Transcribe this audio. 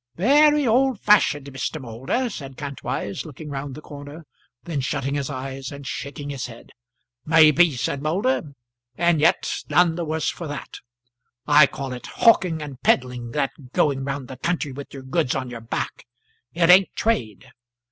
"Very old fashioned, Mr. Moulder," said Kantwise, looking round the corner, then shutting his eyes and shaking his head. "May be," said Moulder, "and yet none the worse for that. I call it hawking and peddling, that going round the country with your goods on your back. It ain't trade."